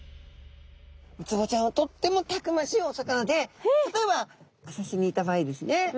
ウツボちゃんはとってもたくましいお魚で例えば浅瀬にいた場合ですね